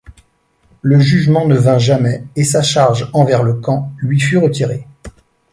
Le jugement ne vint jamais et sa charge envers le camp lui fut retirée.